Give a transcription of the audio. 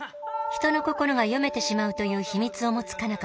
人の心が読めてしまうという秘密を持つ佳奈